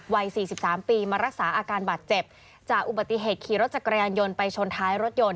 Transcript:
วัย๔๓ปีมารักษาอาการบาดเจ็บจากอุบัติเหตุขี่รถจักรยานยนต์ไปชนท้ายรถยนต์